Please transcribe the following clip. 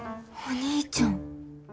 お兄ちゃん。